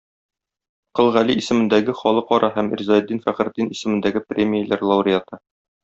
Кол Гали исемендәге халыкара һәм Ризаэддин Фәхретдин исемендәге премияләр лауреаты.